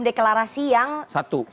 deklarasi yang satu ya